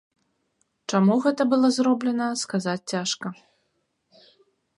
Чаму гэта было зроблена, сказаць цяжка.